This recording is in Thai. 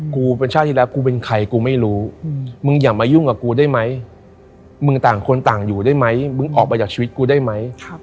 กูเป็นชาติที่แล้วกูเป็นใครกูไม่รู้มึงอย่ามายุ่งกับกูได้ไหมมึงต่างคนต่างอยู่ได้ไหมมึงออกมาจากชีวิตกูได้ไหม